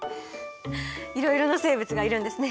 いろいろな生物がいるんですね。